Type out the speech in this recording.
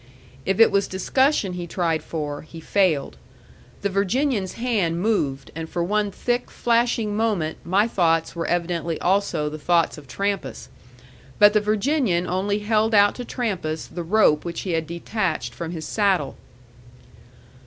If it was discussion he tried for, he failed. The Virginian's hand moved, and for one thick, flashing moment my thoughts were evidently also the thoughts of Trampas. But the Virginian only held out to Trampas the rope which he had detached from his saddle.